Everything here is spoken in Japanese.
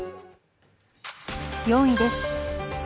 ４位です。